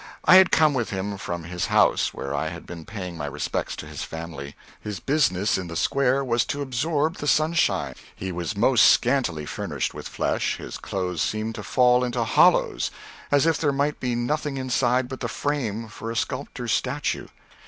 I had come with him from his house, where I had been paying my respects to his family. His business in the Square was to absorb the sunshine. He was most scantily furnished with flesh, his clothes seemed to fall into hollows as if there might be nothing inside but the frame for a sculptor's statue.